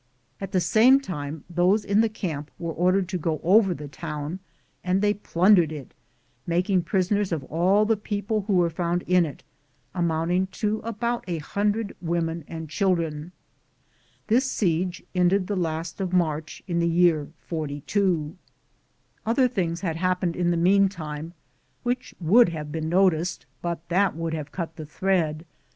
At the same time those in the camp were ordered to go over the town, and they plundered it, making prisoners of all the people who were found in it, amounting to about a hundred women and children. This siege ended the am Google THE JOURNEY OP COBONADO last of March, in the year '42. 1 Other things had happened in the meantime, which would have been noticed, but that it would have cut the thread.